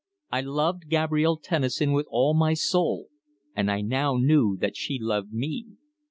I loved Gabrielle Tennison with all my soul, and I now knew that she loved me.